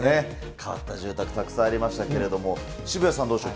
変わった住宅たくさんありましたけれども、渋谷さん、どうでしょう？